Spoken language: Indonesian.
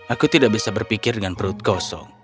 aku tidak bisa berpikir dengan perut kosong